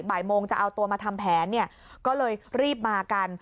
บ่ายโมงจะเอาตัวมาทำแผนเนี่ยก็เลยรีบมากัน